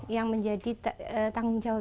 yang menjadi tanggung jawab